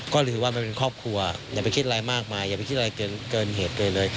ก็ถือว่ามันเป็นครอบครัวอย่าไปคิดอะไรมากมายอย่าไปคิดอะไรเกินเหตุใดเลย